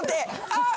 あっ！